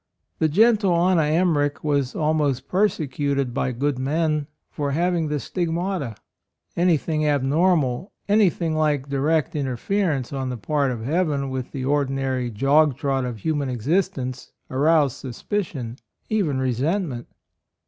The gentle Anna Emmerich was almost persecuted by good men for having the stigmata; any thing abnormal, anything like direct interference on the part of Heaven with the ordinary jog trot of human existence, aroused suspicion, even resent ment.